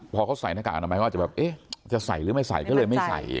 พอเขาใส่หน้ากากอนามัยเขาอาจจะแบบเอ๊ะจะใส่หรือไม่ใส่ก็เลยไม่ใส่